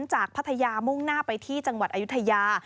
พัทยามุ่งหน้าไปที่จังหวัดอายุทยา